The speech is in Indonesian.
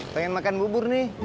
pengen makan bubur nih